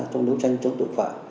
trong đấu tranh chống tội phạm